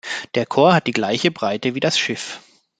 Der Chor hat die gleiche Breite wie das Schiff.